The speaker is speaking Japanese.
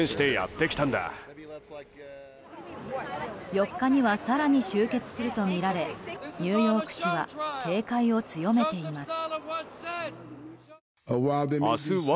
４日には更に集結するとみられニューヨーク市は警戒を強めています。